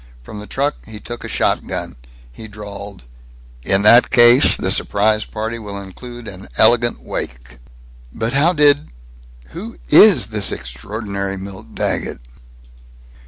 From the truck he took a shotgun. He drawled, "In that case, the surprise party will include an elegant wake." "But how did Who is this extraordinary Milt Daggett?"